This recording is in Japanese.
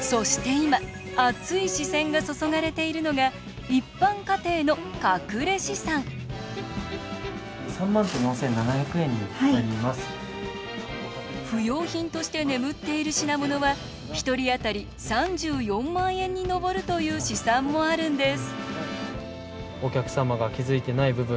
今熱い視線が注がれているのが一般家庭の隠れ資産不用品として眠っている品物は１人あたり３４万円に上るという試算もあるんです